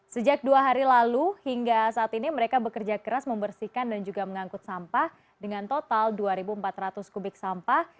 sejak dua hari lalu hingga saat ini mereka bekerja keras membersihkan dan juga mengangkut sampah dengan total dua empat ratus kubik sampah